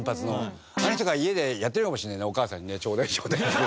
あの人が家でやってるのかもしれないねお母さんにねちょうだいちょうだいって。